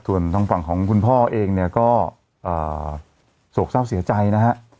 ส่วนทางฝั่งของคุณพ่อเองเนี่ยก็โศกเศร้าเสียใจนะฮะ